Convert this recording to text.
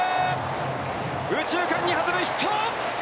右中間に初のヒット！